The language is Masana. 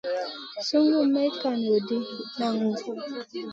Sungu may kan loʼ ɗi, naŋu.